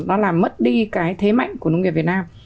nó làm mất đi cái thế mạnh của nông nghiệp việt nam